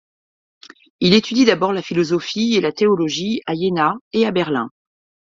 Il étudie d'abord la philosophie et la théologie à Iéna et à Berlin.